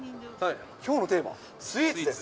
きょうのテーマ、スイーツです。